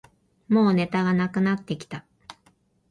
もうネタがなくなってきた